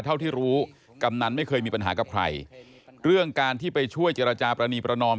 เท่าที่รู้กำนันไม่เคยมีปัญหากับใครเรื่องการที่ไปช่วยเจรจาปรณีประนอม